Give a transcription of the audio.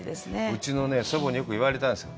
うちの祖母によく言われたんです。